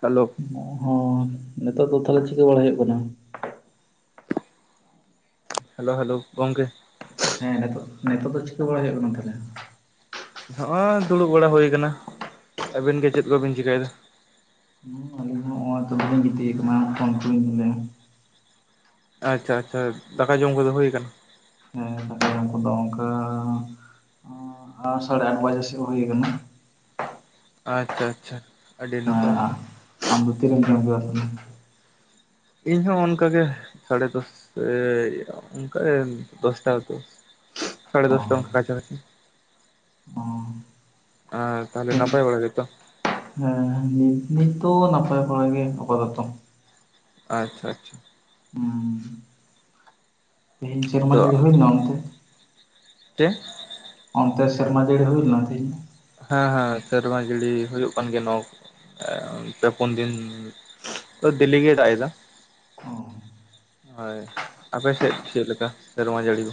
Hello ᱚᱜ ᱦᱚᱸ ᱱᱤᱛᱚᱜ ᱫᱚ ᱛᱟᱦᱚᱞᱮ ᱪᱤᱠᱟᱹ ᱵᱟᱲᱟᱟᱭ ᱦᱩᱭᱩᱜ ᱠᱟᱱᱟ? ᱦᱮᱞᱳ ᱦᱮᱞᱳ ᱜᱚᱢᱠᱮ ᱾ ᱦᱮᱸ ᱱᱤᱛᱚᱜ, ᱱᱤᱛᱚᱜ ᱫᱚ ᱪᱤᱠᱟᱹ ᱵᱟᱲᱟᱭ ᱦᱩᱭᱩᱜ ᱠᱟᱱᱟ ᱛᱟᱦᱚᱞᱮ? ᱱᱚᱜᱼᱚᱭ ᱫᱩᱲᱩᱵ ᱵᱟᱲᱟ ᱦᱩᱭ ᱠᱟᱱᱟ ᱾ ᱟᱵᱤᱱ ᱜᱮ ᱪᱮᱫ ᱠᱚᱵᱤᱱ ᱪᱤᱠᱟᱹᱭᱮᱫᱟ? ᱦᱩᱸ, [inaudible] ᱟᱞᱤᱧ ᱦᱚᱸ ᱛᱚᱞᱤᱧ ᱜᱤᱛᱤᱡ ᱠᱟᱱᱟ [inaudible] ᱟᱪᱪᱷᱟ ᱟᱪᱪᱷᱟ ᱟᱪᱪᱷᱟ ᱫᱟᱠᱟ ᱡᱚᱢ ᱠᱚᱫᱚ ᱦᱩᱭ ᱟᱠᱟᱱᱟ? ᱦᱮᱸ, ᱫᱟᱠᱟ ᱡᱚᱢ ᱠᱚᱫᱚ ᱚᱱᱠᱟ ᱟ ᱥᱟᱲᱮ ᱟᱴ ᱵᱟᱡᱮ ᱥᱮᱫ ᱦᱩᱭ ᱟᱠᱟᱱᱟ ᱾ ᱟᱪᱪᱷᱟ ᱟᱪᱪᱷᱟ, ᱟᱹᱰᱤ ᱱᱟᱯᱟᱭ ᱦᱮᱸ ᱾ ᱟᱢ ᱫᱚ ᱛᱤ ᱨᱮᱢ ᱡᱚᱢ ᱠᱮᱫᱟ? ᱤᱧ ᱦᱚᱸ ᱚᱱᱠᱟ ᱜᱮ, ᱥᱟᱲᱮ ᱫᱚᱥ ᱮ ᱚᱱᱠᱟ ᱜᱮ ᱫᱚᱥᱴᱟ ᱥᱮᱫ ᱾ ᱥᱟᱲᱮ ᱚ ᱫᱚᱥᱴᱟ ᱚᱱᱠᱟ ᱠᱟᱪᱷᱟ ᱠᱟᱪᱷᱤ ᱾ ᱚ ᱟ ᱛᱟᱦᱚᱞᱮ ᱱᱟᱯᱟᱭ ᱵᱟᱲᱟ ᱜᱮᱛᱚ? ᱦᱮᱸ ᱱᱤᱛ, ᱱᱤᱛ ᱫᱚ ᱱᱟᱯᱟᱭ ᱵᱟᱲᱟ ᱜᱮ ᱟᱯᱟᱛᱚᱛᱚ ᱾ ᱟᱪᱪᱷᱟ ᱟᱪᱪᱷᱟ ᱾ ᱦᱩᱸ ᱾ ᱛᱮᱦᱮᱧ ᱥᱮᱨᱢᱟ ᱡᱟᱹᱲᱤ ᱦᱩᱭ ᱞᱮᱱᱟ ᱚᱱᱛᱮ? ᱪᱮᱤ [unintelligible] ᱚᱱᱛᱮ ᱥᱮᱨᱢᱟ ᱡᱟᱹᱲᱤ ᱦᱩᱭ ᱞᱮᱱᱟ ᱠᱤ? ᱦᱮᱸ ᱦᱮᱸ ᱥᱮᱨᱢᱟ ᱡᱟᱹᱲᱤ ᱦᱩᱭᱩᱜ ᱠᱟᱱ ᱜᱮᱭᱟ ᱱᱚᱼᱼ ᱮ ᱯᱮ ᱯᱩᱱ ᱫᱤᱱ, ᱫᱤᱞᱤ ᱜᱮ ᱫᱟᱜ ᱮᱫᱟ ᱾ ᱦᱳᱭ, ᱟᱯᱮ ᱥᱮᱫ ᱪᱮᱫ ᱞᱮᱠᱟ ᱥᱮᱨᱢᱟ ᱡᱟᱹᱲᱤ?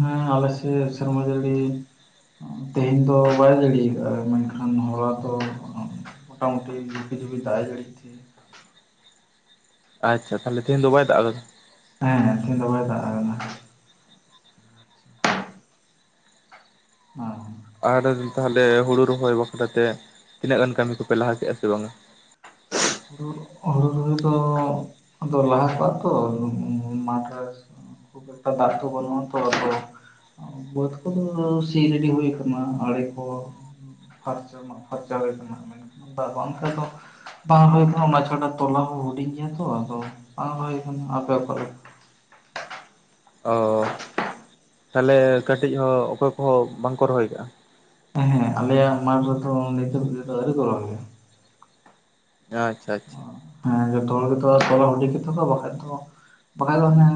ᱦᱮᱸ ᱟᱞᱮ ᱥᱮᱫ ᱥᱮᱨᱢᱟ ᱡᱟᱹᱲᱤᱼᱼ ᱛᱮᱦᱮᱧ ᱫᱚ ᱵᱟᱭ ᱡᱟᱹᱲᱤ ᱟᱠᱟᱜᱼᱟ, ᱢᱮᱱᱠᱷᱟᱱ ᱦᱚᱞᱟ ᱫᱚᱼᱼ ᱢᱚᱴᱟ ᱢᱩᱴᱤ ᱡᱷᱤᱯᱤᱨ ᱡᱷᱤᱯᱤᱨ ᱫᱟᱜ ᱮ ᱡᱟᱹᱲᱤ [inaudible] ᱟᱪᱪᱷᱟ ᱛᱟᱦᱚᱞᱮ ᱛᱮᱦᱮᱧ ᱫᱚ ᱵᱟᱭ ᱫᱟᱜ ᱮᱫᱟ ᱾ ᱦᱮᱸᱦᱮᱸ ᱛᱮᱦᱮᱧ ᱫᱚ ᱵᱟᱭ ᱫᱟᱜ ᱟᱠᱟᱫᱟ ᱾ [unintelligible] ᱟᱨ ᱛᱟᱦᱞᱮ ᱦᱩᱲᱩ ᱨᱚᱦᱚᱭ ᱵᱟᱠᱷᱨᱟ ᱛᱮ, ᱛᱤᱱᱟᱹᱜ ᱜᱟᱱ ᱠᱟᱹᱢᱤ ᱠᱚᱯᱮ ᱞᱟᱦᱟ ᱠᱮᱫᱼᱟ ᱥᱮ ᱵᱟᱝᱟ? ᱦᱩᱲᱩ, ᱦᱩᱲᱩ ᱨᱚᱦᱚᱭ ᱫᱚ [inaudible] ᱟᱫᱚ ᱞᱟᱦᱟ ᱠᱚᱜᱼᱟ ᱛᱚ [unintelligible] ᱠᱷᱩᱵᱽ ᱮᱠᱴᱟ ᱫᱟᱜ ᱛᱚ ᱵᱟᱱᱩᱜ-ᱟ ᱛᱚ ᱟᱫᱚ ᱾ ᱵᱟᱹᱫᱽ ᱠᱚᱫᱚ ᱥᱤ ᱨᱮᱰᱤ ᱦᱩᱭ ᱠᱟᱱᱟ, ᱟᱲᱮ ᱠᱚᱼᱼ ᱯᱷᱟᱨᱪᱟ ᱢᱟᱜ ᱯᱷᱟᱨᱪᱟ ᱦᱩᱭ ᱠᱟᱱᱟ, ᱢᱮᱱ ᱠᱷᱟᱱ ᱫᱟᱜ ᱵᱟᱝ ᱠᱷᱟᱱ ᱫᱚᱼᱼ [unintelligible] ᱚᱱᱟ ᱪᱷᱟᱰᱟ ᱛᱚᱞᱟ ᱠᱚ ᱦᱚᱸ ᱦᱩᱰᱤᱧ ᱜᱮᱭᱟ ᱛᱚ ᱟᱫᱚ ᱵᱟᱝ ᱦᱩᱭ ᱠᱟᱱᱟ ᱾ ᱟᱯᱮ ᱠᱚᱣᱟᱜ [inaudible] ᱚ ᱛᱟᱦᱞᱮ ᱠᱟᱹᱴᱤᱡ ᱦᱚᱸ ᱚᱠᱚᱭ ᱠᱚᱦᱚᱸ ᱵᱟᱝ ᱠᱚ ᱨᱚᱦᱚᱭ ᱠᱟᱜᱼᱟ? ᱦᱮᱸ ᱦᱮᱸ ᱟᱞᱮᱭ ᱟᱜ ᱢᱟᱴ ᱨᱮ ᱫᱚ ᱾ᱱᱤᱛᱚᱜ ᱛᱮ ᱫᱚ ᱟᱹᱣᱨᱤ ᱠᱚ ᱨᱚᱦᱚᱭᱟ ᱟᱪᱪᱷᱟ ᱟᱪᱪᱷᱟ᱾ ᱦᱮᱸ ᱡᱚᱛᱚ ᱦᱚᱲ ᱜᱮᱛᱚ ᱛᱚᱞᱟ ᱦᱩᱰᱤᱧ ᱜᱮᱛᱟ ᱠᱚᱣᱟ ᱵᱟᱝ ᱠᱷᱟᱡ ᱫᱚ, ᱵᱟᱠᱷᱟᱱ ᱫᱚ ᱦᱟᱱᱮ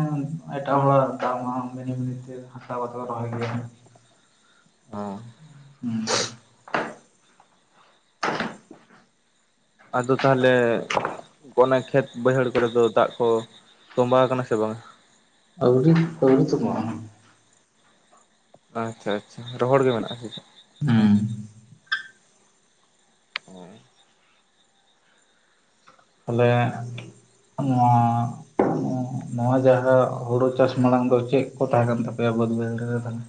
ᱮᱴᱟᱜ ᱦᱚᱲ ᱟᱜ ᱫᱟᱜ [unintelligible] ᱢᱤᱱᱤ ᱢᱤᱱᱤ ᱛᱮ ᱦᱟᱛᱟᱣ ᱠᱟᱛᱮᱫ ᱠᱚ ᱨᱚᱦᱚᱭ ᱠᱮᱭᱟ᱾ ᱚ ᱦᱩᱸ ᱟᱫᱚ ᱛᱟᱦᱞᱮ ᱚᱱᱟ ᱠᱷᱮᱛ ᱵᱟᱹᱭᱦᱟᱹᱲ ᱠᱚᱨᱮ ᱫᱚ ᱫᱟᱜ ᱠᱚ ᱛᱚᱸᱵᱟ ᱟᱠᱟᱱᱟ ᱥᱮ ᱵᱟᱝ? ᱟᱹᱣᱨᱤ ᱟᱹᱣᱨᱤ ᱛᱚᱸᱵᱟᱜ ᱟ᱾ ᱟᱪᱪᱷᱟ ᱟᱪᱪᱷᱟ ᱨᱚᱦᱚᱲ ᱜᱮ ᱢᱮᱱᱟᱜᱼᱟ ᱥᱮ ᱪᱮᱫ? ᱦᱩᱸ ᱚ ᱛᱟᱦᱞᱮ ᱱᱚᱣᱟ ᱱᱚᱣᱟ ᱡᱟᱦᱟ ᱦᱳᱲᱳ ᱪᱟᱥ ᱢᱟᱲᱟᱝ ᱫᱚ ᱪᱮᱫ ᱠᱚ ᱛᱟᱦᱮᱸ ᱠᱟᱱ ᱛᱟᱯᱮᱭᱟ ᱵᱟᱹᱫᱽ ᱵᱟᱹᱭᱦᱟᱹᱲ ᱨᱮ ᱛᱟᱞᱦᱮ?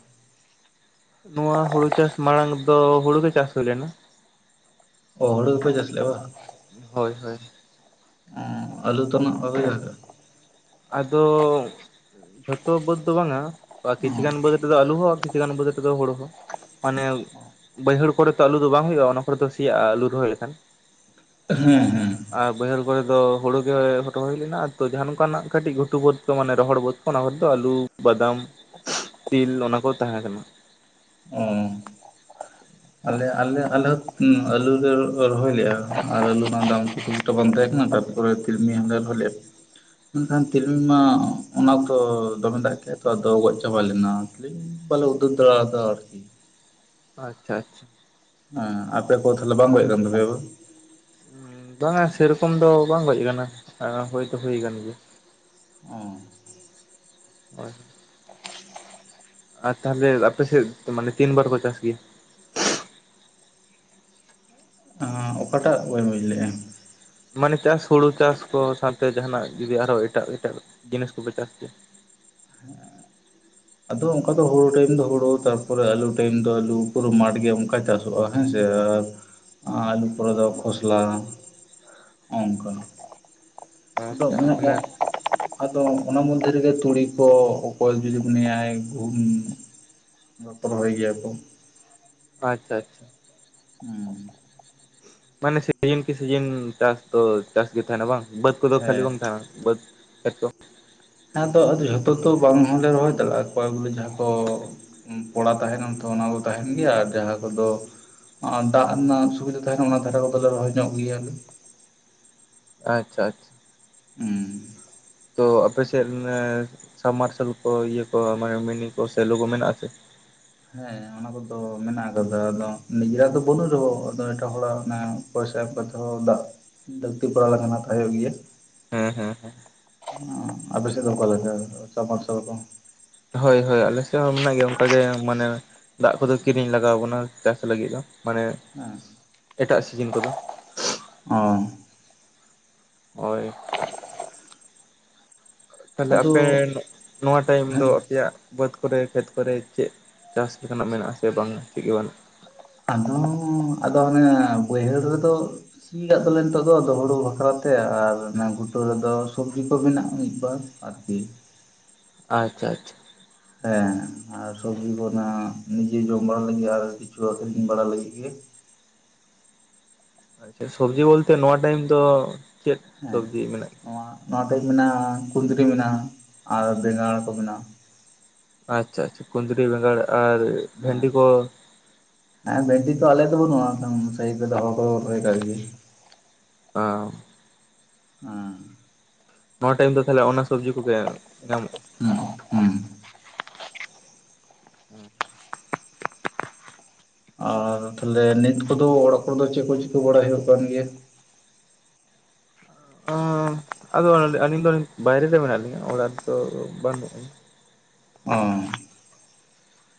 ᱱᱚᱣᱟ ᱦᱳᱲᱳ ᱪᱟᱥ ᱢᱟᱲᱟᱝ ᱫᱚ ᱦᱳᱲᱳ ᱜᱮ ᱪᱟᱥ ᱦᱳᱭ ᱞᱮᱱᱟ᱾ ᱚ ᱦᱳᱲᱳ ᱜᱮ ᱯᱮ ᱪᱟᱥ ᱞᱮᱜᱟ ᱵᱟᱝ? ᱦᱳᱭ ᱦᱳᱭ ᱟᱞᱩ ᱛᱟᱱᱟᱜ ᱵᱟᱯᱮ ᱪᱟᱥᱟ? ᱟᱫᱚ ᱡᱷᱚᱛᱚ ᱵᱟᱹᱛᱽ ᱫᱚ ᱵᱟᱝ-ᱟ ᱠᱤᱪᱷᱩ ᱜᱟᱱ ᱵᱟᱹᱛᱽ ᱨᱮᱫᱚ ᱟᱞᱩ ᱦᱚᱸ ᱠᱤᱪᱷᱤᱠ ᱜᱟᱱ ᱵᱟᱹᱛᱽ ᱨᱮ ᱫᱚ ᱦᱳᱲᱳ‌ ᱦᱚᱸ᱾ ᱢᱟᱱᱮ ᱵᱟᱹᱭᱦᱟᱹᱲ ᱠᱚᱨᱮ ᱛᱚ ᱟᱹᱞᱩ ᱫᱚ ᱵᱟᱝ ᱦᱳᱭᱳᱜᱼᱟ ᱚᱱᱟ ᱠᱚᱨᱮ ᱫᱚ ᱥᱮᱭᱟᱜᱼᱟ ᱟᱹᱞᱩ ᱨᱚᱦᱚᱭ ᱞᱮᱠᱷᱟᱱ ᱦᱮᱸ ᱦᱮᱸ᱾ ᱟᱨ ᱵᱟᱹᱭᱦᱟᱹᱲ ᱠᱚᱨᱮ ᱫᱚ ᱦᱩᱲᱩ ᱜᱮ ᱦᱚᱴᱚ ᱦᱚᱭ ᱞᱮᱱᱟ ᱛᱚ ᱡᱟᱦᱟᱸ ᱱᱚᱝᱠᱟᱱᱟᱜ ᱾ ᱠᱟᱹᱴᱤᱡ ᱜᱷᱩᱴᱩ ᱵᱟᱹᱫᱽ ᱠᱚ ᱢᱟᱱᱮ ᱨᱚᱦᱚᱲ ᱵᱟᱹᱫ ᱠᱚ ᱚᱱᱟ ᱠᱚ ᱫᱚ ᱟᱞᱩ ᱵᱟᱫᱟᱢ ᱾ ᱛᱤᱞ ᱚᱱᱟᱠᱚ ᱛᱟᱦᱮᱸ ᱠᱟᱱᱟ ᱾ ᱚ ᱾ ᱟᱞᱮ ᱟᱞᱮ ᱟᱞᱮ ᱦᱚᱸ ᱟᱞᱩ ᱞᱮ ᱨᱚᱦᱚᱭ ᱞᱮᱫᱼᱟ ᱟᱨ ᱟᱹᱞᱩ ᱨᱮᱱᱟᱜ ᱫᱟᱢ ᱠᱚ ᱾ ᱵᱟᱝ ᱛᱟᱦᱮ ᱠᱟᱱᱟ ᱛᱟᱨᱯᱚᱨ ᱛᱤᱞᱢᱤ ᱦᱟᱸᱜᱟᱨ ᱦᱚ ᱞᱮᱜ ᱟ ᱢᱮᱱᱠᱷᱟᱱ ᱛᱤᱞᱢᱤᱧ ᱢᱟ ᱚᱱᱟ ᱚᱠᱛᱚ ᱫᱚᱢᱮ ᱫᱟᱜ ᱠᱮᱜ ᱟ ᱛᱚ ᱟᱫᱚ ᱜᱚᱡ ᱪᱟᱵᱟ ᱞᱮᱱᱟ ᱛᱤᱞᱤᱢᱤ ᱾ ᱵᱟᱞᱮ ᱩᱫᱷᱟᱹᱨ ᱫᱟᱲᱮ ᱟᱫᱟ ᱟᱨᱠᱤ ᱾ ᱟᱪᱪᱷᱟ ᱟᱪᱪᱷᱟ ᱾ ᱦᱮᱸ ᱟᱯᱮ ᱠᱚ ᱛᱚᱦᱚᱞᱮ ᱵᱟᱝ ᱦᱚᱭ ᱟᱠᱟᱱ ᱛᱟᱯᱮᱭᱟ ᱵᱟᱝ ᱾ ᱵᱟᱝᱟ ᱥᱮᱨᱚᱠᱚᱢ ᱫᱚ ᱵᱟᱝ ᱜᱚᱡ ᱟᱠᱟᱱᱟ ᱦᱳᱭ ᱫᱳ ᱦᱩᱭ ᱟᱠᱟᱱ ᱜᱮᱭᱟ ᱾ ᱚ ᱾ ᱦᱳᱭ ᱾ ᱟᱨ ᱛᱟᱦᱚᱞᱮ ᱟᱯᱮ ᱥᱮᱫ ᱢᱟᱱᱮ ᱛᱤᱱ ᱵᱟᱨ ᱠᱚ ᱪᱟᱥ ᱜᱮᱭᱟ? ᱚᱠᱟᱴᱟᱜ ᱵᱟ ᱹᱧ ᱵᱩᱡᱽ ᱞᱮᱫᱼᱟ ᱾ ᱢᱟᱱᱮ ᱪᱟᱥ ᱦᱩᱲᱩ ᱪᱟᱥ ᱠᱚ ᱥᱟᱶᱛᱮ ᱡᱟᱦᱟᱱᱟᱜ ᱡᱩᱫᱤ ᱟᱨᱦᱚᱸ ᱮᱴᱟᱜ ᱮᱴᱟᱜ ᱡᱤᱱᱤᱥ ᱠᱚᱯᱮ ᱪᱟᱥ ᱜᱮᱭᱟ? ᱟᱫᱚ ᱚᱱᱠᱟ ᱫᱚ ᱦᱩᱲᱩ ᱴᱟᱭᱤᱢ ᱫᱚ ᱦᱩᱲᱩ ᱛᱟᱨᱯᱚᱨᱮ ᱟᱞᱩ ᱴᱟᱭᱤᱢ ᱫᱚ ᱟᱞᱩ ᱯᱩᱨᱟᱹ ᱢᱟᱴᱷ ᱜᱮᱭᱟ ᱚᱱᱠᱟᱟᱭ ᱪᱟᱥ ᱼᱟ ᱦᱮᱸᱥᱮ ᱟᱨ ᱟᱞᱩ ᱯᱚᱨᱮ ᱫᱚ ᱠᱷᱚᱥᱞᱟ ᱦᱚᱸᱜᱝᱠᱟ ᱾ ᱟᱪᱪᱷᱟ ᱢᱟᱱᱮ [unintelligible] ᱟᱫᱚ ᱚᱱᱟ ᱢᱚᱫᱽᱫᱷᱮ ᱨᱮᱜᱮ ᱛᱩᱲᱤ ᱠᱚ ᱚᱠᱚᱭ ᱡᱩᱫᱤ ᱢᱚᱱᱮᱭᱟᱭ ᱜᱩᱦᱩᱢ, ᱨᱳᱦᱚᱭ ᱜᱮᱭᱟ ᱠᱚ ᱾ ᱟᱪᱪᱷᱟ ᱟᱪᱪᱷᱟ ᱾ ᱦᱩᱸ ᱾ ᱢᱟᱱᱮ ᱥᱤᱡᱤᱱ ᱠᱤ ᱥᱤᱤᱡᱤᱱ ᱪᱟᱥ ᱫᱚ ᱾ ᱪᱟᱥ ᱜᱮ ᱛᱟᱦᱮᱱᱟ ᱵᱟᱝ ᱵᱟᱹᱫᱽ ᱠᱚᱫᱚ ᱠᱷᱟᱹᱞᱤ ᱦᱮᱸ ᱵᱟᱝ ᱛᱟᱦᱮᱱᱟ ᱵᱟᱹᱫᱽ ᱠᱷᱮᱛ ᱠᱚ᱾ ᱟᱮᱫᱚ ᱟ ᱡᱷᱚᱛᱚ ᱛᱚ ᱵᱟᱝ ᱦᱚᱸᱞᱮ ᱨᱚᱦᱚᱭ ᱫᱟᱲᱮᱭᱟᱜᱼᱟ ᱠᱚ ᱵᱚᱞᱮ ᱡᱟᱦᱟᱸ ᱠᱚ ᱾ ᱯᱚᱲᱟ ᱛᱟᱦᱮᱱᱟᱢ ᱛᱚ ᱚᱱᱟ ᱠᱚ ᱛᱟᱦᱮᱱ ᱜᱮᱭᱟ ᱟᱨ ᱡᱟᱦᱟᱸ ᱠᱚᱫᱚ᱾ ᱟᱨ ᱫᱟᱜ ᱨᱮᱱᱟᱜ ᱥᱩᱵᱤᱫᱟ ᱛᱟᱦᱮᱱᱟ ᱚᱱᱟ ᱫᱷᱟᱨᱮ ᱠᱚᱫᱚᱞᱮ ᱨᱚᱦᱚᱭ ᱧᱚᱜ ᱜᱮᱭᱟᱼᱼ ᱟᱪᱪᱷᱟ ᱟᱪᱪᱷᱟ ᱾ ᱦᱚᱢ ᱾ ᱛᱚ ᱟᱯ ᱥᱮᱫ ᱥᱟᱵᱽᱢ ᱢᱟᱨᱥᱟᱞ ᱠᱚ ᱤᱭᱟᱹ ᱠᱚ ᱢᱟᱱᱮ ᱢᱤᱱᱤ ᱠᱚ ᱥᱮ ᱞᱩᱜ ᱠᱚ ᱢᱮᱱᱟᱜ ᱟᱥᱮ? ᱦᱮᱸ ᱚᱱᱟ ᱠᱚᱫᱚ ᱢᱮᱱᱟᱜ ᱟᱠᱟᱫᱟ ᱟᱫᱚ ᱱᱤᱡᱮᱨᱟᱜ ᱫᱚ ᱵᱟᱹᱱᱩᱜ ᱨᱮᱦᱚᱸ ᱟᱫᱚ ᱮᱴᱟᱜ ᱦᱚᱲᱟᱜ ᱚᱱᱟ ᱾ ᱯᱚᱭᱥᱟ ᱠᱟᱛᱮ ᱦᱚᱸ ᱫᱟᱜ ᱫᱟᱹᱠᱛᱤ ᱯᱨᱟᱣ ᱞᱮᱠᱷᱟᱱ ᱛᱟᱦᱮᱸ ᱜᱮᱭᱟ᱾ ᱦᱩᱸ ᱦᱩᱸ ᱦᱩᱸ ᱾ ᱟᱯᱮ ᱥᱮᱫ ᱫᱚ ᱚᱠᱟᱞᱮᱠᱟ ᱥᱟᱵ ᱢᱟᱨᱥᱟᱞ ᱠᱚ? ᱦᱳᱭ ᱦᱳᱭ ᱟᱞᱮ ᱥᱮᱫ ᱦᱚᱸ ᱢᱮᱱᱟᱜ ᱜᱮᱭᱟ ᱚᱱᱠᱟ ᱜᱮ ᱢᱟᱱᱮ ᱫᱟᱜ ᱠᱚᱫᱚ ᱠᱤᱨᱤᱧ ᱞᱟᱜᱟᱣ ᱵᱚᱱᱟ ᱪᱟᱥ ᱞᱟᱹᱜᱤᱫ ᱦᱚᱸ ᱢᱟᱱᱮ ᱦᱮᱸ ᱮᱴᱟᱜ ᱥᱤᱡᱤᱱ ᱠᱚᱫᱚ ᱾ ᱚᱸᱻ ᱦᱳᱭ ᱾ ᱛᱟᱦᱞᱮ ᱟᱫᱚ ᱟᱯᱮ ᱱᱚᱣᱟ ᱴᱟᱭᱤᱢ ᱦᱮᱸ ᱫᱚ ᱟᱯᱮᱭᱟᱜᱼᱼ ᱵᱟᱹᱫᱽ ᱠᱚᱨᱮ ᱠᱷᱮᱛ ᱠᱚᱨᱮ ᱪᱮᱫ ᱪᱟᱥ ᱞᱮᱠᱟᱱᱟᱜ ᱢᱮᱱᱟᱜᱼᱟ ᱥᱮ ᱵᱟᱝᱟ ᱪᱮᱫ ᱜᱮ ᱵᱟᱹᱱᱩᱜᱼᱟ? ᱟᱫᱚ ᱟᱫᱚ ᱚᱱᱮ ᱵᱟᱹᱭᱦᱟᱹᱲ ᱨᱮᱫᱚ ᱾ ᱥᱤᱭᱟᱜ ᱫᱚᱞᱮ ᱱᱤᱛᱚᱜ ᱫᱚ ᱦᱩᱲᱩ ᱵᱟᱠᱷᱨᱟᱛᱮ ᱟᱨ ᱜᱷᱩᱴᱟᱹ ᱨᱮᱫᱚ ᱥᱚᱵᱡᱤ ᱠᱚ ᱵᱮᱱᱟᱜᱼᱟ ᱢᱤᱫᱵᱟᱨ ᱾ ᱟᱨᱠᱤ ᱾ ᱟᱪᱪᱷᱟ ᱟᱪᱪᱷᱟ ᱾ ᱦᱮᱸ ᱟᱨ ᱥᱚᱵᱡᱤ ᱠᱚ ᱚᱱᱟ ᱱᱤᱡᱮ ᱡᱚᱢ ᱵᱟᱲᱟ ᱞᱟᱹᱜᱤᱫ ᱟᱨ ᱠᱤᱪᱷᱩ ᱟᱠᱷᱨᱤᱧ ᱵᱟᱲᱟ ᱞᱟᱹᱜᱤᱫ ᱜᱮᱼᱼ ᱟᱪᱪᱷᱟ ᱥᱚᱵᱡᱤ ᱵᱚᱞᱛᱮ ᱱᱚᱣᱟ ᱴᱟᱭᱤᱢ ᱫᱚ ᱪᱮᱫ ᱦᱮᱸ ᱥᱚᱵᱡᱤ ᱢᱮᱱᱟᱜ᱾ ᱱᱚᱣᱟ ᱱᱚᱣᱟ ᱴᱷᱮᱡ ᱢᱮᱱᱟᱜᱼᱟ ᱠᱩᱫᱽᱨᱤ ᱢᱮᱱᱟᱜᱼᱟ ᱟᱨ ᱵᱮᱸᱜᱟᱲ ᱠᱚ ᱢᱮᱱᱟᱜᱼᱟ ᱾ ᱟᱪᱪᱷᱟ ᱟᱪᱪᱷᱟ ᱠᱩᱫᱽᱨᱤ ᱵᱮᱸᱜᱟᱲ ᱟᱨ᱾ ᱦᱮᱸ ᱵᱷᱮᱱᱰᱤ ᱠᱚ ᱾ ᱦᱮᱸ ᱵᱷᱮᱱᱴᱤ ᱛᱚ ᱟᱞᱮ ᱫᱚ ᱵᱟᱹᱱᱩᱜᱼᱟ ᱥᱟᱭᱤ ᱨᱮ ᱫᱚᱦᱚ ᱠᱚ [inaudible] ᱚᱻ ᱦᱩᱸ ᱱᱚᱣᱟ ᱴᱟᱭᱤᱢ ᱫᱚ ᱛᱟᱦᱚᱞᱮ ᱚᱱᱟ ᱥᱚᱵᱽᱡᱤ ᱠᱚᱜᱮ ᱧᱟᱢᱚᱜᱼᱟᱼᱼ ᱦᱩᱸ ᱦᱩᱸ ᱦᱩᱸ ᱟᱨ ᱛᱟᱦᱞᱮ ᱱᱤᱛ ᱠᱚᱫᱚ ᱚᱲᱟᱜ ᱠᱚᱨᱮ ᱫᱚ ᱪᱮᱫ ᱠᱚ ᱪᱤᱠᱟᱹ ᱵᱟᱲᱟᱭ ᱦᱩᱭᱩᱜ ᱠᱟᱱ ᱜᱮᱭᱟ᱾ ᱟᱫᱚ ᱟᱹᱞᱤᱧ ᱫᱚ ᱵᱟᱭᱨᱮ ᱨᱮ ᱢᱮᱱᱟᱜ ᱞᱤᱧᱟᱹ ᱚᱲᱟᱜ ᱨᱮ ᱫᱚ ᱵᱟᱹᱱᱩᱜᱼᱼ ᱚᱻ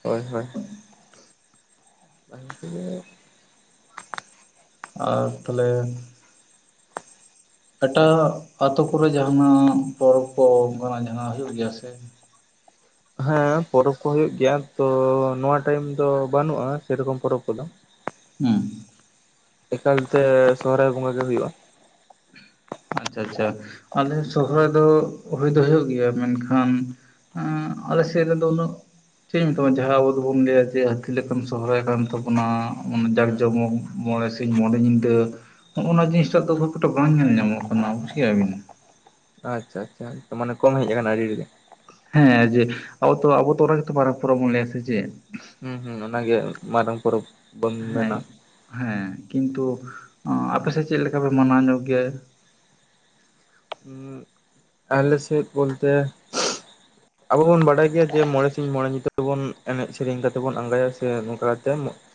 ᱦᱚᱭ ᱦᱚᱭ [unintelligible] ᱟᱨ ᱛᱷᱟᱞᱮᱼᱼ ᱮᱴᱟᱜ ᱟᱛᱳ ᱠᱚᱨᱮ ᱡᱟᱦᱟᱱᱟᱜ ᱯᱚᱨᱚᱵᱽ ᱠᱚ ᱚᱱᱠᱟᱱᱟᱜ ᱡᱟᱦᱟᱸᱱᱟᱜ ᱦᱩᱭᱩᱜ ᱜᱮᱭᱟ ᱥᱮᱼᱼ ᱦᱮᱸ ᱯᱚᱨᱚᱵᱽ ᱠᱚ ᱦᱳᱭᱳᱜ ᱜᱮᱭᱟ ᱛᱚ ᱱᱚᱣᱟ ᱴᱟᱭᱤᱢ ᱫᱚ ᱵᱟᱹᱱᱩᱜᱼᱟ ᱥᱮᱨᱚᱠᱚᱢ ᱯᱚᱨᱚᱵᱽ ᱠᱚᱫᱚ᱾ ᱦᱩᱸ ᱮᱠᱟᱞᱛᱮ ᱥᱚᱦᱚᱨᱟᱭ ᱵᱚᱸᱜᱟ ᱜᱮ ᱦᱩᱭᱩᱜᱼᱟ᱾ ᱟᱪᱪᱷᱟ ᱟᱪᱪᱷᱟ ᱟᱞᱮ ᱥᱚᱦᱨᱟᱭ ᱫᱚ ᱦᱳᱭ ᱫᱚ ᱦᱳᱭᱳᱜ ᱜᱮᱭᱟ ᱢᱮᱱᱠᱷᱟᱱᱼᱼ ᱟᱞᱮ ᱥᱮᱫ ᱨᱮᱫᱚ ᱩᱱᱟᱹᱜ ᱪᱮᱫ ᱤᱧ ᱢᱮᱛᱟ, ᱡᱟᱦᱟᱸ ᱟᱵᱚ ᱫᱚᱵᱚᱱ ᱞᱟᱹᱭᱟ ᱡᱮ ᱦᱟᱹᱛᱤ ᱞᱮᱠᱟᱱ ᱥᱚᱦᱨᱟᱭ ᱠᱟᱱ ᱛᱟᱵᱚᱱᱟ ᱚᱱᱟ ᱡᱟᱠ ᱦᱩᱸ ᱡᱚᱢᱚᱠ ᱢᱚᱬᱮ ᱥᱤᱧ -ᱢᱚᱬᱮ ᱧᱤᱫᱟᱹ, ᱦᱚᱜᱼᱚᱭ ᱱᱚᱣᱟ ᱡᱤᱱᱤᱥᱴᱟᱜ ᱫᱚ ᱠᱷᱩᱵ ᱮᱠᱴᱟ ᱵᱟᱝ ᱧᱮᱞ ᱧᱟᱢᱚᱜ ᱠᱟᱱᱟ ᱵᱩᱡᱽ ᱠᱮᱜᱼᱟ ᱵᱤᱱ᱾ ᱟᱪᱪᱷᱟ ᱟᱪᱪᱷᱟ, ᱢᱟᱱᱮ ᱠᱚᱢ ᱦᱮᱡ ᱠᱟᱱᱟ ᱟᱹᱰᱤ ᱨᱮᱜᱮ? ᱦᱮᱸ ᱡᱮ ᱟᱵᱚ ᱛᱚ ᱟᱵᱚ ᱛᱚ ᱜᱮᱛᱚ ᱢᱟᱨᱟᱝ ᱯᱚᱨᱚᱵ ᱵᱚᱱ ᱞᱟᱹᱭᱟ ᱥᱮ ᱪᱮᱫ? ᱦᱩᱸ ᱦᱩᱸ, ᱚᱱᱟᱜᱮ ᱢᱟᱨᱟᱝ ᱯᱚᱨᱚᱵᱽ᱾ ᱵᱚᱱ ᱦᱮᱸ ᱢᱮᱱᱟ ᱦᱮᱸ, ᱠᱤᱱᱛᱩ ᱟᱯᱮ ᱥᱮᱫ ᱪᱮᱫ ᱞᱮᱠᱟ ᱯᱮ ᱢᱟᱱᱟᱣ ᱧᱚᱜ ᱜᱮᱭᱟ? ᱟᱞᱮ ᱥᱮᱫ ᱵᱚᱞᱛᱮ ᱟᱵᱚ ᱵᱚᱱ ᱵᱟᱰᱟᱭ ᱜᱮᱭᱟ ᱡᱮ ᱢᱚᱬᱮ ᱥᱤᱧ-ᱢᱚᱬᱮ ᱧᱤᱫᱟᱹᱵᱚᱱ ᱮᱱᱮᱡ ᱥᱮᱨᱮᱧ ᱠᱟᱛᱮᱫ ᱵᱚᱱ ᱟᱸᱜᱟᱭᱟ ᱥᱮ ᱱᱚᱝᱠᱟ ᱠᱟᱛᱮ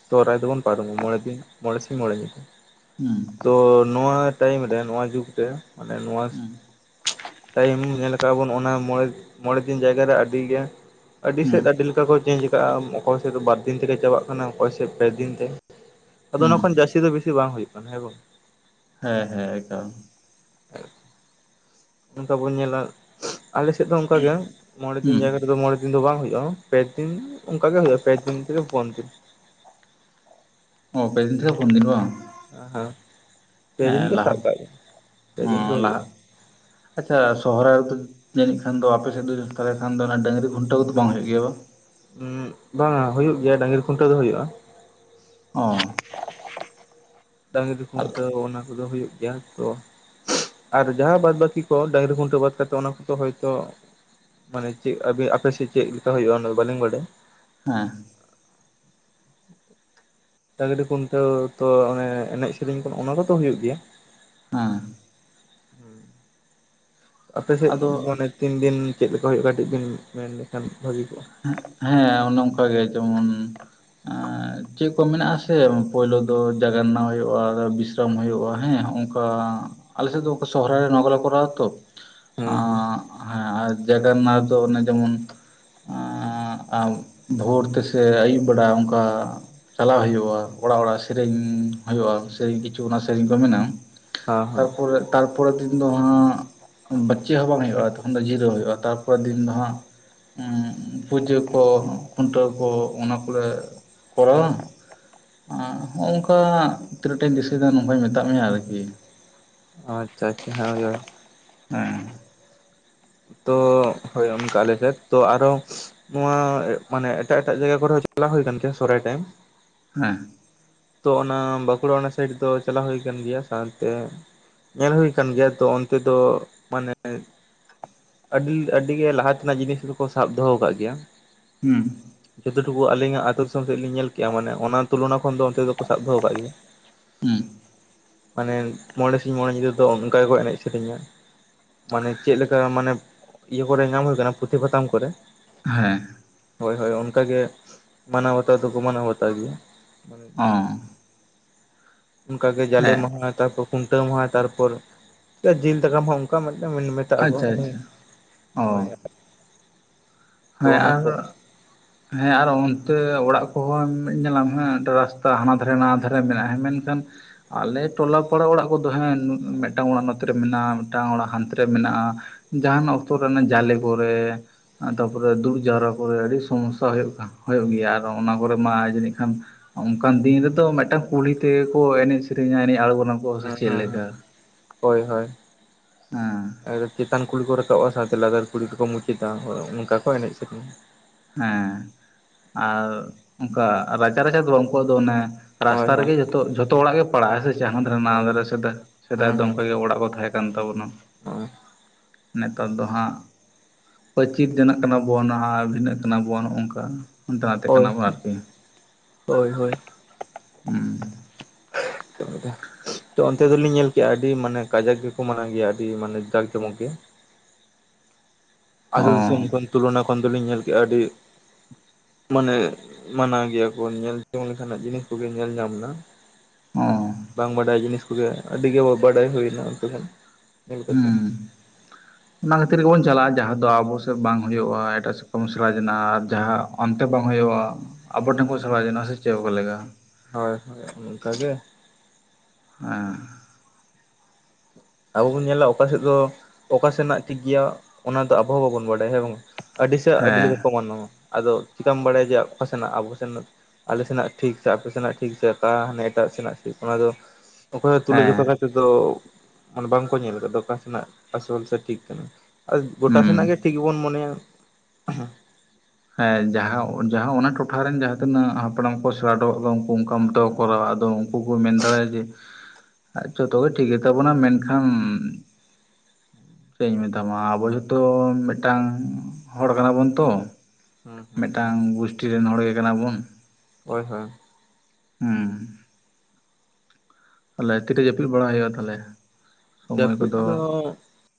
ᱥᱚᱦᱚᱨᱟᱭ ᱫᱚᱵᱚᱱ ᱯᱟᱨᱚᱢᱟ᱾ ᱢᱚᱬᱮ ᱫᱤᱱ ᱢᱚᱬᱮ ᱥᱤᱧ ᱢᱚᱬᱮ ᱧᱤᱫᱟᱹ᱾ ᱦᱩᱸ᱾ ᱛᱚ ᱱᱚᱣᱟ ᱴᱟᱭᱤᱢ ᱨᱮ ᱱᱚᱣᱟ ᱡᱩᱜᱽ ᱨᱮ ᱢᱟᱱᱮ ᱱᱚᱣᱟ ᱦᱩᱸ ᱴᱟᱭᱤᱢ ᱧᱮᱞ ᱠᱟᱜᱟᱵᱚᱱ, ᱚᱱᱟ ᱢᱚᱬᱮ ᱫᱤᱱ ᱡᱟᱭᱜᱟ ᱨᱮ ᱟᱹᱰᱤ ᱜᱮ ᱟᱹᱰᱤ ᱦᱩᱸ ᱥᱮᱫ ᱟᱹᱰᱤ ᱞᱮᱠᱟ ᱠᱚ ᱪᱮᱧᱡᱽ ᱟᱠᱟᱜᱼᱟ᱾ ᱚᱠᱚᱭ ᱥᱮᱫ ᱫᱚ ᱵᱟᱨ ᱫᱤᱱ ᱛᱮᱜᱮ ᱪᱟᱵᱟᱜ ᱠᱟᱱᱟ ᱚᱠᱚᱭ ᱥᱮᱫ ᱯᱮ ᱫᱤᱱ ᱛᱮ? ᱟᱫᱚ ᱦᱩᱸ ᱚᱱᱟ ᱠᱷᱚᱱ ᱡᱟᱹᱥᱛᱤ ᱫᱚ ᱵᱮᱥᱤ ᱵᱟᱝ ᱦᱩᱭᱩᱜ ᱠᱟᱱᱟ ᱦᱮᱸ ᱵᱟᱝ? ᱦᱮᱸ ᱦᱮᱸ ᱮᱠᱟᱞ᱾ ᱚᱱᱠᱟ ᱵᱚᱱ ᱧᱮᱞᱟ ᱟᱞᱮ ᱥᱮᱫ ᱫᱚ ᱚᱱᱠᱟ ᱜᱮ ᱢᱚᱬᱮ ᱫᱤᱱ ᱦᱩᱸ ᱡᱟᱭᱜᱟ ᱨᱮᱫᱚ ᱢᱚᱬᱮ ᱫᱤᱱ ᱫᱚ ᱵᱟᱝ ᱦᱳᱭᱳᱼᱟ᱾ ᱯᱮ ᱫᱤᱱ ᱚᱱᱠᱟ ᱜᱮ ᱦᱳᱭᱳᱜᱼᱟ ᱯᱮ ᱫᱤᱱ ᱛᱷᱮᱠᱮ ᱯᱩᱱ ᱫᱤᱱ᱾ ᱚ ᱯᱮ ᱫᱤᱱ ᱛᱷᱮᱠᱮ ᱯᱳᱱ ᱫᱤᱱ ᱵᱟᱝ᱾ ᱦᱮᱸ ᱦᱮᱸ ᱯᱮᱫᱤᱱ ᱜᱮ ᱞᱟᱦᱟ ᱥᱟᱵᱽ ᱠᱟᱜ ᱢᱮ ᱯᱮᱫᱤᱱ ᱜᱮ ᱦᱚᱸ ᱞᱟᱦᱟ ᱦᱩᱭᱩᱜᱼᱟ᱾ ᱟᱪᱪᱷᱟ ᱥᱚᱦᱚᱨᱟᱭ ᱨᱮᱫᱚ ᱡᱟᱹᱱᱤᱡ ᱠᱷᱟᱱ ᱫᱚ ᱟᱯᱮ ᱥᱮᱫ ᱫᱚ ᱛᱟᱦᱮ ᱠᱷᱟᱱ ᱫᱚ ᱰᱟᱺᱜᱽᱨᱤ ᱠᱷᱩᱱᱴᱟᱹ ᱫᱚ ᱵᱟᱝ ᱦᱩᱭᱩᱜ ᱜᱮᱭᱟ ᱵᱟᱝ? ᱦᱩᱸ ᱵᱟᱝ ᱦᱳᱭᱳ ᱜᱮᱭᱟ ᱰᱟᱹᱜᱽᱨᱤ ᱠᱷᱩᱱᱴᱟᱹᱣ ᱫᱚ ᱦᱩᱭᱩᱜᱼᱟ᱾ ᱚᱸ᱾ ᱰᱟᱺᱜᱽᱨᱤ ᱠᱷᱩᱱᱴᱟᱹᱣ ᱚᱱᱟ ᱠᱚᱫᱚ ᱦᱩᱭᱩᱜ ᱜᱮᱭᱟ ᱛᱚ᱾ ᱟᱨ ᱡᱟᱦᱟᱸ ᱵᱟᱫ ᱵᱟᱹᱠᱤ ᱠᱚ ᱰᱟᱺᱜᱽᱨᱤ ᱠᱷᱩᱱᱴᱟᱹᱣ ᱵᱟᱫ ᱠᱟᱛᱮᱫ ᱚᱱᱟ ᱠᱚᱫᱚ ᱦᱚᱭᱛᱚ ᱢᱟᱱᱮ ᱪᱮᱫ ᱟᱯᱮ ᱟᱯᱮᱥᱮᱫ ᱪᱮᱫ ᱞᱮᱠᱟ ᱦᱩᱭᱩᱜᱼᱟ᱾ ᱚᱱᱟ ᱵᱟᱹᱞᱤᱧ ᱵᱟᱰᱟᱭᱟ? ᱦᱮᱸ᱾ ᱰᱟᱺᱜᱽᱨᱤ ᱠᱷᱩᱱᱴᱟᱹᱣ ᱛᱚ, ᱚᱱᱮ ᱮᱱᱮᱡ ᱥᱮᱨᱮᱧ ᱠᱚ, ᱚᱱᱟ ᱠᱚᱛᱚ ᱦᱩᱭᱩᱜ ᱜᱮᱭᱟ᱾ ᱦᱮᱸ᱾ ᱦᱩᱸ᱾ ᱟᱯᱮ ᱥᱮᱫᱽ ᱟᱫᱚ ᱢᱟᱱᱮ ᱛᱤᱱ ᱫᱤᱱ ᱪᱮᱫ ᱞᱮᱠᱟ ᱦᱩᱭᱩᱜᱼᱟ? ᱠᱟᱹᱴᱤᱡ ᱵᱤᱱ ᱢᱮᱱᱞᱮᱠᱷᱟᱱ ᱵᱷᱟᱹᱜᱤ ᱠᱚᱜᱼᱟ᱾ ᱦᱮᱸ ᱚᱱᱮ ᱚᱱᱠᱟ ᱜᱮ ᱡᱮᱢᱚᱱ ᱪᱮᱫ ᱠᱚ ᱢᱮᱱᱟᱜᱼᱟ ᱥᱮ ᱯᱳᱭᱞᱳ ᱫᱚ ᱡᱟᱜᱱᱟ ᱦᱩᱭᱩᱜᱼᱟ᱾ ᱦᱩᱭᱩᱜᱼᱟ ᱦᱮᱸ ᱚᱱᱠᱟ ᱟᱞᱮᱥᱮᱫ ᱚᱠᱟ ᱥᱚᱦᱚᱨᱟᱭ ᱨᱮ ᱱᱚᱣᱟ ᱠᱚᱞᱮ ᱠᱚᱨᱟᱣᱟ ᱛᱚ᱾ ᱟ ᱦᱮᱸ ᱦᱮᱸ ᱦᱮᱸ ᱟᱨ ᱡᱟᱭᱜᱟᱨ ᱨᱮᱱᱟᱜ ᱫᱚ ᱡᱮᱢᱚᱱ ᱵᱷᱳᱨ ᱛᱮᱥᱮ ᱟᱹᱭᱩᱵ ᱵᱮᱲᱟ, ᱚᱱᱠᱟ ᱪᱟᱞᱟᱣ ᱦᱩᱭᱩᱜᱼᱟ, ᱚᱲᱟᱜ-ᱚᱲᱟᱜ ᱥᱮᱨᱮᱧ ᱦᱩᱭᱩᱜᱼᱟ, ᱥᱮᱨᱮᱧ ᱠᱤᱪᱷᱩ ᱚᱱᱟ ᱥᱮᱨᱮᱧ ᱠᱚ ᱢᱮᱱᱟᱜᱼᱟ᱾ ᱦᱮᱸ ᱦᱮᱸ ᱛᱟᱨᱯᱚᱨᱮ ᱛᱟᱨᱯᱚᱨᱮᱨ ᱫᱤᱱ ᱫᱚ ᱦᱟᱸᱜ ᱵᱟᱹᱪᱤ ᱦᱚᱸ ᱵᱟᱝ ᱦᱩᱭᱩᱜᱼᱟ, ᱛᱚᱠᱷᱚᱱ ᱫᱚ ᱡᱤᱨᱟᱹᱣ ᱦᱩᱭᱩᱜᱼᱟ, ᱛᱟᱨᱯᱚᱨᱮᱨ ᱫᱤᱱ ᱫᱚ ᱦᱟᱸᱜ ᱯᱩᱡᱟᱹ ᱠᱚ ᱠᱷᱩᱱᱴᱟᱹᱣ ᱠᱚ ᱚᱱᱟ ᱠᱚᱞᱮ ᱠᱚᱨᱟᱣᱼᱟ᱾ ᱦᱳᱜ ᱱᱚᱝᱠᱟ ᱛᱤᱱᱟᱹᱜ ᱴᱟᱧ ᱫᱤᱥᱟᱹᱭᱮᱫᱼᱟ ᱱᱚᱝᱠᱟᱧ ᱢᱮᱛᱟᱫ ᱢᱮᱭᱟ ᱟᱹᱨᱠᱤ᱾ ᱟᱪᱪᱷᱟ, ᱟᱪᱪᱷᱟ, ᱦᱳᱭ ᱦᱳᱭ᱾ ᱦᱮᱸ᱾ ᱛᱚ ᱦᱳᱭ ᱚᱱᱠᱟ ᱟᱞᱮ ᱥᱮᱫ ᱛᱚ᱾ ᱟᱨᱚ ᱱᱚᱣᱟ ᱢᱟᱱᱮ ᱮᱴᱟᱜ-ᱮᱴᱟᱜ ᱡᱟᱭᱜᱟ ᱠᱚᱨᱮ ᱦᱚᱸ ᱪᱟᱞᱟᱣ ᱦᱩᱭ ᱟᱹᱠᱟᱱ ᱜᱮᱭᱟ ᱥᱚᱨᱦᱟᱭ ᱴᱟᱭᱤᱢ᱾ ᱦᱮᱸ ᱛᱚ ᱚᱱᱟ ᱵᱟᱸᱠᱩᱲᱟ ᱚᱱᱟ ᱥᱟᱭᱤᱰ ᱫᱚ, ᱪᱟᱞᱟᱣ ᱦᱳᱭ ᱠᱟᱱ ᱜᱮᱭᱟ ᱥᱟᱶᱛᱮ ᱧᱮᱞ ᱦᱳᱭ ᱠᱟᱱ ᱜᱮᱭᱟ, ᱛᱚ ᱚᱱᱛᱮ ᱫᱚ ᱢᱟᱱᱮ ᱟᱹᱰᱤ-ᱟᱹᱰᱤ ᱜᱮ ᱞᱟᱦᱟ ᱛᱮᱱᱟᱜ ᱡᱤᱱᱤᱥ ᱠᱚᱠᱚ, ᱥᱟᱵ ᱫᱚᱦᱚ ᱠᱟᱫ ᱜᱮᱭᱟ᱾ ᱦᱩᱸ, ᱡᱚᱛ ᱴᱩᱠᱩ ᱟᱞᱤᱧᱟᱜ, ᱟᱹᱛᱳ ᱫᱤᱥᱚᱢ ᱥᱮᱜ ᱞᱤᱧ ᱧᱮᱞ ᱠᱮᱜᱼᱟ ᱢᱟᱱᱮ ᱚᱱᱟ ᱛᱩᱞᱚᱱᱟ ᱠᱷᱚᱱ ᱫᱚ, ᱚᱱᱛᱮ ᱫᱚᱠᱚ ᱥᱟᱵ ᱫᱚᱦᱚ ᱠᱟᱜ ᱜᱮᱭᱟ᱾ ᱦᱩᱸ ᱢᱟᱱᱮ ᱢᱚᱬᱮ ᱥᱤᱧ ᱢᱚᱬᱮ ᱧᱤᱫᱟᱹ ᱫᱚ, ᱚᱝᱠᱟ ᱜᱮᱠᱚ ᱮᱱᱮᱡ ᱥᱮᱨᱮᱧᱟ, ᱢᱟᱱᱮ ᱪᱮᱫ ᱞᱮᱠᱟ ᱚᱝᱠᱟ ᱢᱟᱱᱮ ᱤᱭᱟᱹ ᱠᱚᱨᱮ ᱧᱟᱢ ᱦᱳᱭ ᱠᱟᱱᱟ, ᱯᱩᱛᱷᱤ ᱯᱟᱛᱷᱟᱢ ᱠᱚᱨᱮ᱾ ᱦᱮᱸ, ᱦᱳᱭ-ᱦᱳᱭ ᱚᱱᱠᱟᱜ ᱜᱮ, ᱢᱟᱱᱟᱣ ᱵᱟᱛᱟᱣ ᱫᱚᱠᱚ, ᱢᱟᱱᱟᱣ ᱵᱟᱛᱟᱣ ᱜᱮᱭᱟ᱾ ᱦᱮᱸ, ᱚᱱᱠᱟᱜ ᱜᱮ ᱡᱟᱞᱮ ᱦᱮᱸ ᱢᱟᱦᱟ, ᱛᱟᱯᱚᱨ ᱠᱷᱩᱱᱴᱟᱹᱣ ᱢᱟᱦᱟ ᱛᱟᱨᱯᱚᱨ ᱡᱤᱞ ᱫᱟᱠᱟᱢ ᱢᱟᱦᱟ ᱚᱱᱠᱟ ᱢᱤᱫᱴᱮᱱ ᱢᱮᱱ ᱢᱮᱛᱟᱜ ᱟᱠ ᱟᱪᱪᱷᱟ ᱦᱩ, ᱟᱪᱪᱷᱟ ᱚ ᱦᱮᱸ ᱠᱚ ᱟᱨ ᱦᱮᱸ ᱟᱨ ᱚᱱᱛᱮ ᱚᱲᱟᱜ ᱠᱚᱦᱚᱸ, ᱧᱮᱞᱟᱢ ᱦᱟᱸᱜ ᱨᱟᱥᱛᱟ ᱦᱟᱱᱟ ᱫᱷᱟᱨᱮ ᱱᱟᱣᱟ ᱫᱷᱟᱨᱮ ᱢᱮᱱᱟᱜᱼᱟ᱾ ᱢᱮᱱᱠᱷᱟᱱ ᱟᱞᱮ ᱴᱚᱞᱟ ᱯᱟᱲᱟ ᱚᱲᱟᱜ ᱠᱚᱫᱚ ᱦᱮᱸ, ᱢᱤᱫᱴᱟᱝ ᱚᱲᱟᱜ ᱱᱚᱛᱮ ᱨᱮ ᱢᱮᱱᱟᱜᱼᱟ, ᱢᱤᱫᱴᱟᱝ ᱚᱲᱟᱜ ᱦᱟᱱᱛᱮ ᱨᱮ ᱢᱮᱱᱟᱜᱼᱟ᱾ ᱡᱟᱦᱟᱱ ᱚᱠᱛᱚ ᱨᱮ ᱚᱱᱟ ᱡᱟᱞᱮ ᱠᱚᱨᱮ ᱛᱟᱨᱯᱚᱨᱮ ᱫᱩᱠ ᱡᱟᱣᱨᱟ ᱠᱚᱨᱮ ᱟᱹᱰᱤ ᱥᱚᱢᱚᱥᱥᱟ ᱦᱳᱭᱳᱜ, ᱜᱮᱭᱟ ᱟᱨ ᱚᱱᱟ ᱠᱚᱨᱮ ᱢᱟ ᱡᱟᱹᱱᱤᱡ ᱠᱷᱟᱱ ᱚᱱᱠᱟᱱ ᱫᱤᱱ ᱨᱮᱫᱚ, ᱢᱤᱫᱴᱟᱝ ᱠᱩᱞᱦᱤ ᱛᱮᱜᱮ ᱠᱚ ᱮᱱᱮᱡ ᱥᱮᱨᱮᱧᱟ ᱮᱱᱮᱡ ᱟᱬᱜᱚᱱᱟ ᱠᱚ᱾ ᱦᱮᱸ, ᱦᱮᱸ, ᱦᱮᱸ, ᱦᱳᱭ ᱦᱳᱭ ᱦᱮᱸ ᱪᱮᱛᱟᱱ ᱠᱩᱞᱦᱤ ᱠᱚ ᱨᱟᱠᱟᱵᱟ ᱥᱟᱶᱛᱮ ᱞᱟᱛᱟᱨ ᱠᱩᱞᱦᱤ ᱨᱮᱠᱚ ᱢᱩᱪᱟᱹᱫᱟ, ᱚᱱᱠᱟ ᱠᱚ ᱮᱱᱮᱡ ᱥᱮᱨᱮᱧᱟ᱾ ᱦᱮᱸ ᱟᱨ ᱚᱱᱠᱟ ᱨᱟᱪᱟ, ᱨᱟᱪᱟ ᱫᱚ ᱵᱟᱝ ᱩᱱᱠᱩᱣᱟᱜ ᱫᱚ ᱚᱱᱮ ᱦᱳᱭ ᱨᱟᱥᱛᱟ ᱦᱳᱭ ᱨᱮᱜᱮ ᱡᱚᱛᱚ ᱡᱷᱚᱛᱚ ᱚᱲᱟᱜ ᱜᱮ ᱯᱟᱲᱟᱜᱼᱟ, ᱥᱮ ᱡᱟᱦᱟᱸ ᱫᱷᱟᱨᱮ ᱱᱟᱣᱟ ᱦᱳᱭ ᱫᱷᱟᱨᱮ ᱥᱮᱫᱟᱭ ᱫᱚ ᱚᱱᱠᱟ ᱜᱮ ᱚᱲᱟᱜ ᱠᱚ ᱛᱟᱦᱮᱸ ᱠᱟᱱᱟ᱾ ᱠᱟᱱ ᱛᱟᱵᱚᱱᱟ᱾ ᱦᱳᱭ, ᱱᱮᱛᱟᱨ ᱫᱚ ᱦᱟᱸᱜ ᱯᱟᱹᱪᱤᱨ ᱡᱚᱱᱟᱜ ᱠᱟᱱᱟ ᱵᱚᱱ, ᱦᱟᱸᱜ ᱵᱷᱤᱱᱟᱹᱜ ᱠᱟᱱᱟ ᱵᱚᱱ ᱚᱝᱠᱟ ᱦᱟᱱᱛᱮ ᱱᱟᱛᱮᱜ ᱦᱳᱭ ᱠᱟᱱᱟ ᱵᱚᱱ ᱟᱨᱠᱤ᱾ ᱦᱳᱭ ᱦᱳᱭ ᱦᱩᱸ, ᱛ [unintelligible] [unintelligible] ᱛᱚ ᱚᱱᱛᱮ ᱫᱚᱞᱤᱧ ᱧᱮᱞ ᱠᱮᱜᱼᱟ, ᱟᱹᱰᱤ ᱢᱟᱱᱮ ᱠᱟᱡᱟᱠ ᱜᱮᱠᱚ ᱢᱟᱱᱟᱣ ᱜᱮᱭᱟ, ᱟᱹᱰᱤ ᱢᱟᱱᱮ ᱡᱟᱠ ᱡᱚᱢᱚᱠ ᱜᱮ᱾ ᱟᱹᱛᱳ ᱚ ᱫᱤᱥᱚᱢ ᱠᱷᱚᱱ, ᱛᱩᱞᱚᱱᱟ ᱠᱷᱚᱱ ᱫᱚᱞᱤᱧ ᱧᱮᱞ ᱠᱮᱜᱼᱟ ᱟᱹᱰᱤ ᱢᱟᱱᱮ ᱢᱟᱱᱟᱣ ᱜᱮᱭᱟ ᱠᱚ, ᱧᱮᱞ ᱡᱚᱝ ᱞᱮᱠᱟᱱᱟᱜ ᱡᱤᱱᱤᱥ ᱠᱚᱜᱮ ᱧᱮᱞ ᱧᱟᱢ ᱱᱟ᱾ ᱚ ᱵᱟᱝ ᱵᱟᱰᱟᱭ ᱡᱤᱱᱤᱥ ᱠᱚᱜᱮ, ᱟᱹᱰᱤᱜᱮ ᱵᱟᱰᱟᱭ ᱦᱳᱭᱱᱟ ᱚᱱᱛᱮ ᱠᱷᱚᱱ᱾ ᱧᱮᱞ ᱠᱟᱛᱮᱫ ᱦᱩᱸ, ᱚᱱᱟ ᱠᱷᱟᱹᱛᱤᱨ ᱜᱮᱵᱚᱱ ᱪᱟᱞᱟᱜᱼᱟ, ᱡᱟᱦᱟᱸ ᱫᱚ ᱟᱵᱚ ᱥᱮᱫ ᱵᱟᱝ ᱦᱳᱭᱳᱜᱼᱟ, ᱮᱴᱟᱜ ᱥᱮᱫ ᱠᱷᱚᱱ ᱵᱚᱱ ᱥᱮᱬᱟᱡᱚᱱᱟ ᱟᱨ ᱡᱟᱦᱟᱸ ᱚᱱᱛᱮ ᱵᱟᱝ ᱦᱳᱭᱳᱜᱼᱟ, ᱟᱵᱚ ᱴᱷᱮᱱ ᱠᱚ ᱥᱮᱦᱟ ᱡᱚᱱᱟ- ᱟ ᱥᱮ ᱪᱮᱫᱠᱟ ᱞᱮᱠᱟ? ᱦᱳᱭ, ᱦᱳᱭ ᱚᱱᱠᱟ ᱜᱮ᱾ ᱦᱮᱸ, ᱟᱵᱚ ᱵᱚᱱ ᱧᱮᱞᱟ ᱚᱠᱟᱥᱮᱫ ᱫᱚ, ᱚᱠᱟ ᱥᱮᱱᱟᱜ ᱴᱷᱤᱠ ᱜᱮᱭᱟ, ᱚᱱᱟ ᱫᱚ ᱟᱵᱚ ᱦᱚᱸ ᱵᱟᱵᱚᱱ ᱵᱟᱰᱟᱭᱟ ᱦᱮᱸ ᱵᱟᱝ? ᱟᱹᱰᱤ ᱥᱮᱫ ᱟᱹᱰᱤ ᱦᱮᱸ ᱞᱮᱠᱟ ᱠᱚ ᱢᱟᱱᱟᱣᱟ, ᱟᱫᱚ ᱪᱤᱠᱟᱢ ᱵᱟᱲᱟᱭᱟ ᱡᱮ ᱚᱠᱟ ᱥᱮᱱᱟᱜ ᱟᱵᱚ, ᱥᱮᱱᱟᱜ ᱟᱞᱮ ᱥᱮᱱᱟᱜ ᱴᱷᱤᱠ ᱥᱮ, ᱟᱯᱮ ᱥᱮᱱᱟᱜ ᱴᱷᱤᱠ, ᱥᱮ ᱚᱠᱟ ᱦᱟᱱᱮ ᱮᱴᱟᱜ ᱥᱮᱱᱟᱜ ᱴᱷᱤᱠ ᱚᱱᱟ ᱫᱚ ᱚᱠᱚᱭ ᱦᱚ ᱦᱮᱸ ᱛᱩᱞᱟᱹᱡᱚᱠᱷᱟ ᱠᱟᱛᱮᱫ ᱫᱚ, ᱢᱟᱱᱮ ᱵᱟᱝᱠᱚ ᱧᱮᱞ ᱟᱠᱟᱫᱟ, ᱚᱠᱟ ᱥᱮᱱᱟᱜ ᱟᱥᱚᱞ ᱥᱮ ᱴᱷᱤᱠ, ᱠᱟᱱᱟ ᱟᱨ ᱜᱚᱴᱟ ᱦᱩᱸ ᱥᱮᱱᱟᱜ ᱜᱮ ᱴᱷᱤᱠ ᱵᱚᱱ ᱢᱚᱱᱮᱭᱟ ᱾ ᱦᱮᱸ ᱡᱟᱦᱟᱸ ᱡᱟᱦᱟᱸ ᱚᱱᱟ ᱴᱚᱴᱷᱟ ᱨᱮᱱ ᱡᱟᱦᱟᱸ ᱛᱤᱱᱟᱹᱜ ᱦᱟᱯᱲᱟᱢ ᱠᱚ ᱥᱮᱬᱟ ᱦᱚᱴᱚ ᱠᱟᱜ ᱠᱚᱣᱟ ᱩᱱᱠᱩ ᱚᱝᱠᱟ ᱢᱚᱛᱚ ᱠᱚ ᱠᱚᱨᱟᱣᱟ, ᱟᱫᱚ ᱩᱝᱠᱩ ᱠᱚ ᱢᱮᱱ ᱫᱟᱲᱮᱟᱭᱟᱜ ᱡᱮ, ᱡᱷᱚᱛᱚ ᱜᱮ ᱴᱷᱤᱠ ᱜᱮ ᱛᱟᱵᱚᱱᱟ ᱢᱮᱱᱠᱷᱟᱱ ᱪᱮᱫ ᱤᱧ ᱢᱮᱛᱟᱢᱟ ᱟᱵᱚ ᱡᱷᱚᱛᱚ ᱢᱮᱫᱴᱟᱝ ᱦᱚᱲ ᱠᱟᱱᱟ ᱵᱚᱱ ᱛᱚ ᱦᱩᱸ ᱦᱩᱸ ᱢᱮᱫᱴᱟᱝ ᱜᱩᱥᱴᱤ ᱨᱮᱱ ᱦᱚᱲ ᱜᱮ ᱠᱟᱱᱟ ᱵᱚᱱ᱾ ᱦᱳᱭ ᱦᱳᱭ᱾ ᱦᱩᱸ ᱛᱟᱦᱚᱞᱮ ᱛᱤ ᱨᱮ ᱡᱟᱹᱯᱤᱫ ᱵᱟᱲᱟ ᱦᱩᱭᱩᱜᱼᱟ ᱛᱟᱦᱚᱞᱮ? ᱥᱚᱢᱚᱭ ᱡᱟᱯᱤᱫ ᱫᱚ ᱠᱚᱫᱚ